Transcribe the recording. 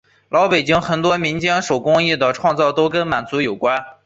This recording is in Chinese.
老北京很多民间手工艺的创造都跟满族有关。